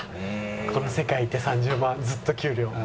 この世界いて３０万はずっと給料。